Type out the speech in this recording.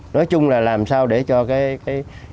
nói chung là làm sao để cho cái